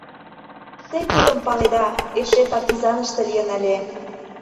Те тудым паледа, эше партизаныште лийын ыле.